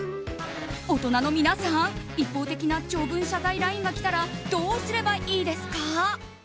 大人の皆さん、一方的な長文謝罪ＬＩＮＥが来たらどうすればいいですか？